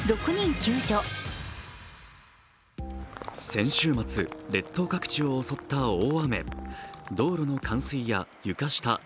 先週末、列島各地を襲った大雨。